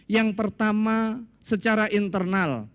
yang pertama secara internal